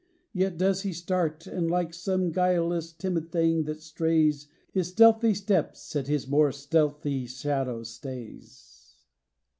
Yet does he start And, like some guileless, timid thing that strays. His stealthy steps at his more stealthy shadow stays.